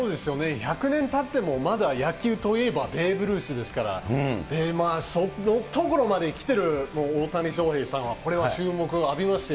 １００年たってもまだ野球といえばベーブ・ルースですから、そのところまで来てる大谷翔平さんは、これは注目を浴びますよ。